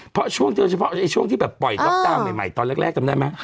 เพราะช่วงเฉพาะช่วงที่แบบปล่อยล็อกดาวน์ใหม่ตอนแรกจำได้ไหม